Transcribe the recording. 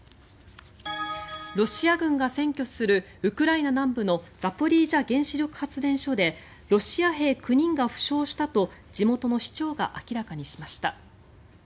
ロシア軍が占拠するウクライナ南部のザポリージャ原子力発電所でロシア兵９人が負傷したと地元の市長が明らかにしました。